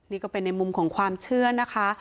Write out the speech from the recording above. นี่ก็เป็นในมุมของความเชื่อนะคะ